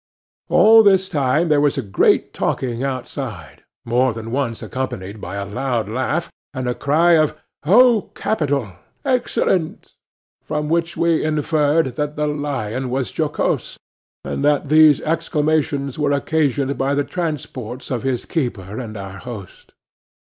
All this time there was a great talking outside, more than once accompanied by a loud laugh, and a cry of 'Oh! capital! excellent!' from which we inferred that the lion was jocose, and that these exclamations were occasioned by the transports of his keeper and our host.